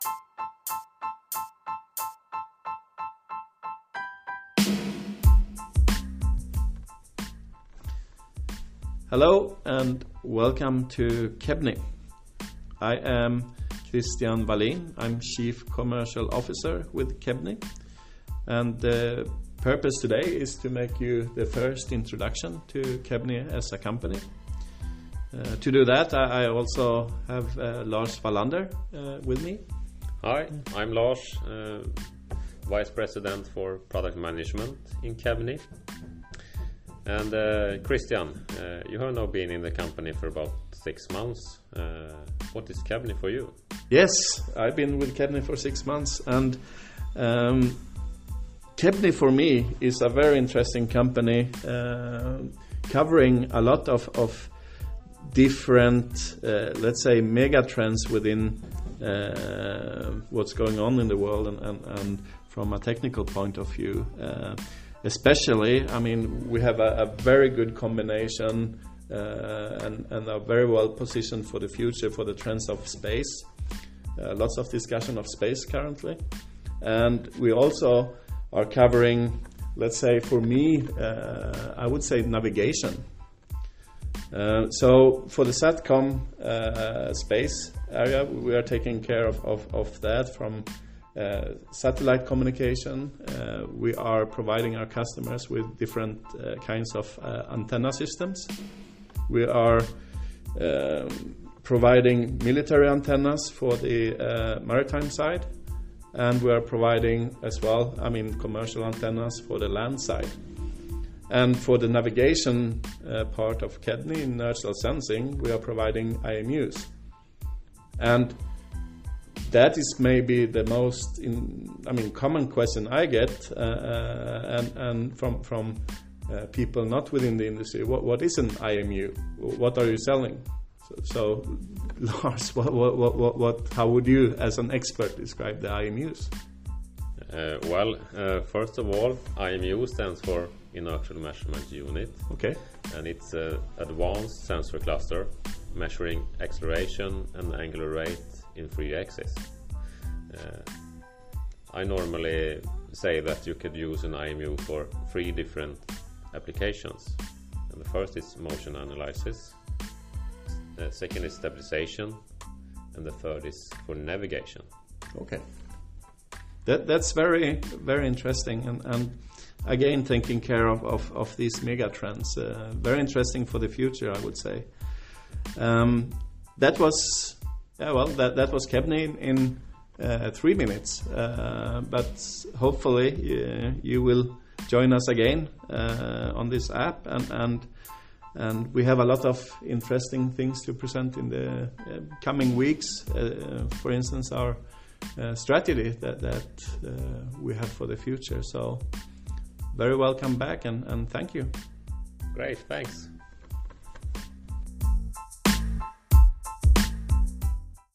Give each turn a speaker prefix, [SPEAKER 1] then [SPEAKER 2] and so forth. [SPEAKER 1] Hello and welcome to Kebni. I am Kristian Wallin. I'm Chief Commercial Officer with Kebni. The purpose today is to make you the first introduction to Kebni as a company. To do that, I also have Lars Walander with me.
[SPEAKER 2] Hi, I'm Lars, Vice President for Product Management in Kebni. Kristian, you have now been in the company for about six months. What is Kebni for you?
[SPEAKER 1] Yes, I've been with Kebni for six months. Kebni for me is a very interesting company, covering a lot of different, let's say, mega trends within what's going on in the world. From a technical point of view, especially, we have a very good combination and are very well positioned for the future for the trends of space. Lots of discussion of space currently. We also are covering, for me, I would say navigation. For the SatCom space area, we are taking care of that from satellite communication. We are providing our customers with different kinds of antenna systems. We are providing military antennas for the maritime side. We are providing as well commercial antennas for the land side. For the navigation part of Kebni, inertial sensing, we are providing IMUs. That is maybe the most common question I get from people not within the industry. What is an IMU? What are you selling? Lars, how would you as an expert describe the IMUs?
[SPEAKER 2] Well, first of all, IMU stands for inertial measurement unit.
[SPEAKER 1] Okay.
[SPEAKER 2] It's an advanced sensor cluster measuring acceleration and angular rate in three axes. I normally say that you could use an IMU for three different applications. The first is motion analysis, the second is stabilization, and the third is for navigation.
[SPEAKER 1] Okay. That's very interesting and, again, taking care of these mega trends. Very interesting for the future, I would say. That was Kebni in three minutes. Hopefully, you will join us again on this app, and we have a lot of interesting things to present in the coming weeks, for instance, our strategy that we have for the future. Very welcome back, and thank you.
[SPEAKER 2] Great. Thanks.